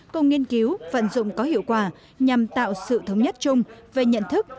cùng nghiên cứu vận dụng có hiệu quả nhằm tạo sự thống nhất chung về nhận thức